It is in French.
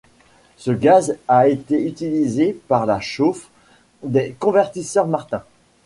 Ce gaz a été utilisé pour la chauffe des convertisseurs Martin.